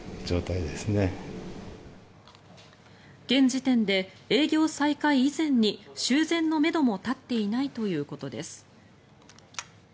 現時点で営業再開以前に修繕のめども立っていないということです。